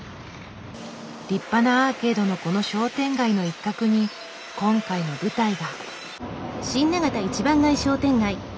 立派なアーケードのこの商店街の一角に今回の舞台が。